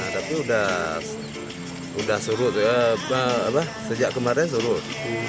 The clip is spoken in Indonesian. tapi sudah surut sejak kemarin surut